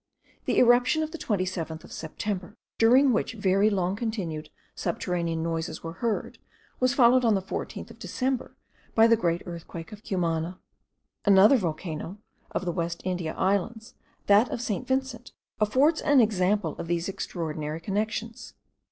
The eruption of the 27th of September, during which very long continued subterranean noises were heard, was followed on the 14th of December by the great earthquake of Cumana. Another volcano of the West India Islands, that of St. Vincent, affords an example of these extraordinary connections.